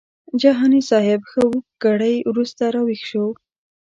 جهاني صاحب ښه اوږد ګړی وروسته راویښ شو.